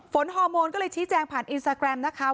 ฮอร์โมนก็เลยชี้แจงผ่านอินสตาแกรมนะคะ